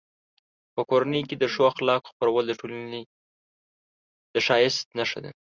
په کورنۍ کې د ښو اخلاقو خپرول د ټولنې د ښایست نښه ده.